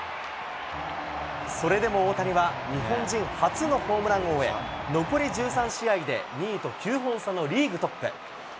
それでも大谷は日本人初のホームラン王へ、残り１３試合で２位と９本差のリーグトップ。